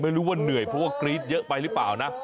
ไม่รู้ว่าเหนื่อยเพราะว่ากรี๊ดเยอะไปหรือเปล่านะ